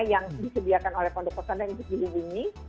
yang disediakan oleh pondok pesantren di sini